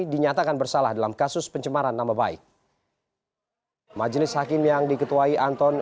dinyatakan bersalah dalam kasus pencemaran nama baik majelis hakim yang diketuai anton